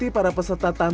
ini sambal makan